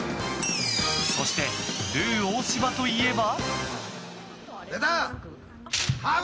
そして、ルー大柴といえば。